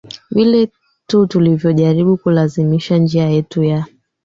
vile tu tulivyojaribu kulazimisha njia yetu ya